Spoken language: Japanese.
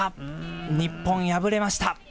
日本、敗れました。